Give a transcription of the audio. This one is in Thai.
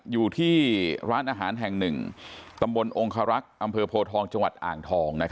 อยู่ที่ร้านอาหารแห่งหนึ่งตำบลองคารักษ์อำเภอโพทองจังหวัดอ่างทอง